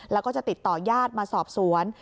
แล้วก็จะติดต่อญาติมาสอบสวน